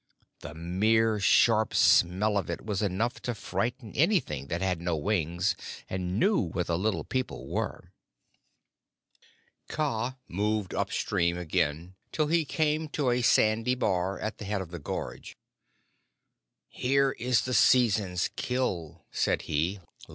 The mere sharp smell of it was enough to frighten anything that had no wings, and knew what the Little People were. Kaa moved up stream again till he came to a sandy bar at the head of the gorge. "Here is this season's kill," said he.